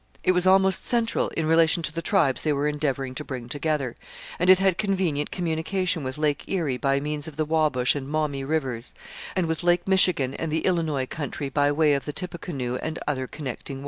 It was almost central in relation to the tribes they were endeavouring to bring together, and it had convenient communication with Lake Erie by means of the Wabash and Maumee rivers, and with Lake Michigan and the Illinois country by way of the Tippecanoe and other connecting waters.